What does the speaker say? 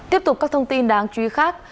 tiếp tục các thông tin đáng chú ý khác